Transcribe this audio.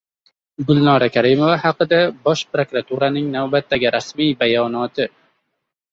Gulnora Karimova haqida Bosh prokuraturaning navbatdagi rasmiy bayonoti